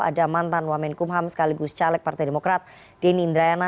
ada mantan wamen kumham sekaligus caleg partai demokrat denny indrayana